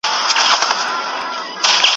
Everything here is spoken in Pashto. نه مي څوک لمبې ته ګوري، نه په اوښکو مي خبر سول